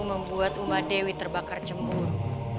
membuat umadewi terbakar cemburu